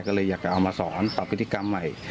ก็เลยอยากจะเอามาสอนปรับพฤติกรรมใหม่